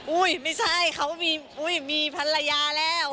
ไม่ใช่เขามีภรรยาแล้ว